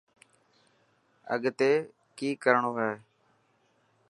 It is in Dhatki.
اڳتي ڪئي ڪرڻو هي.